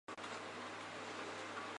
全员战死。